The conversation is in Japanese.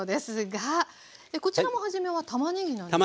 こちらも初めはたまねぎなんですね。